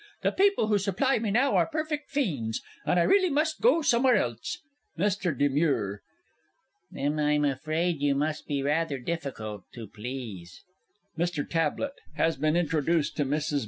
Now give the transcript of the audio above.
The people who supply me now are perfect fiends, and I really must go somewhere else. MR. DE MURE. Then I'm afraid you must be rather difficult to please. MR. TABLETT has been introduced to MRS.